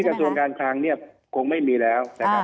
กระทรวงการคลังเนี่ยคงไม่มีแล้วนะครับ